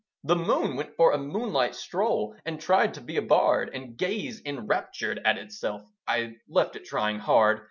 The moon went for a moonlight stroll, And tried to be a bard, And gazed enraptured at itself: I left it trying hard.